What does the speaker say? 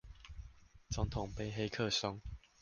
總統盃黑客松